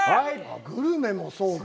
グルメもそうか。